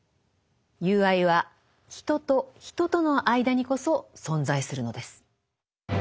友愛は人と人との間にこそ存在するのです。